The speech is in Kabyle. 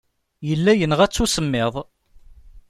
Yella yenɣa-t usemmiḍ.